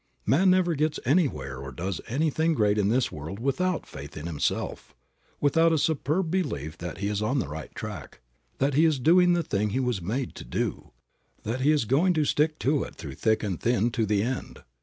No man ever gets anywhere or does anything great in this world without faith in himself, without a superb belief that he is on the right track, that he is doing the thing he was made to do, that he is going to stick to it through thick and thin to the end.